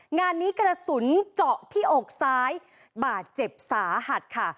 งานนี้กระสุนเจาะที่อกซ้ายบาดเจ็บสาหัสค่ะ